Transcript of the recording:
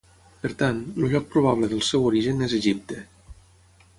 Per tant, el lloc probable del seu origen es Egipte.